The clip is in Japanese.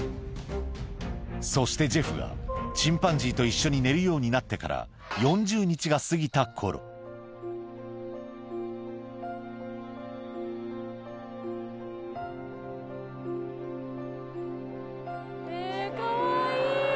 そしてジェフがチンパンジーと一緒に寝るようになってからえかわいい！